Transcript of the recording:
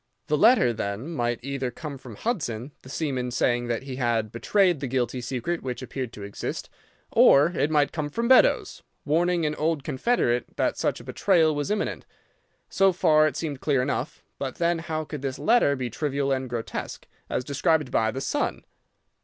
The letter, then, might either come from Hudson, the seaman, saying that he had betrayed the guilty secret which appeared to exist, or it might come from Beddoes, warning an old confederate that such a betrayal was imminent. So far it seemed clear enough. But then how could this letter be trivial and grotesque, as described by the son?